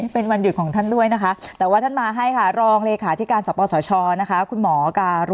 สนับสนุนโดยพี่โพเพี่ยวสะอาดใสไร้คราบ